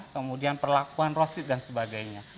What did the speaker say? kemudian perlakuan roasted dan sebagainya